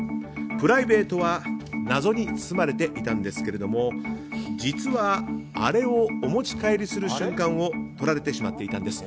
プライベートは謎に包まれていたんですけれども実は、あれをお持ち帰りする瞬間を撮られてしまっていたんです。